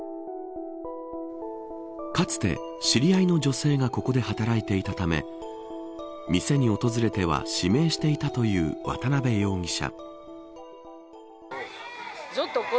かつて、知り合いの女性がここで働いていたため店に訪れては指名していたという渡辺容疑者。